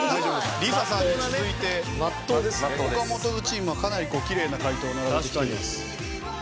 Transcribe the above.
ＬｉＳＡさんに続いてＯＫＡＭＯＴＯ’Ｓチームはかなりきれいな解答を並べてきています。